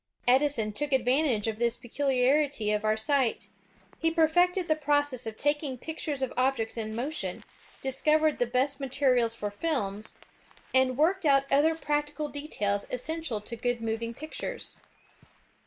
Edison took advantage of this pecuiiarity of our sight. He per fected the process of taking pictures of objects in motion, discovered the best materials for films, and worked out ORVILLE AND WILBUR WRIGHT 253 other practical details essential to good moving pictures.